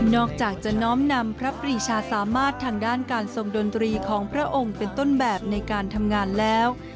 อกจากจะน้อมนำพระปรีชาสามารถทางด้านการทรงดนตรีของพระองค์เป็นต้นแบบในการทำงานแล้ว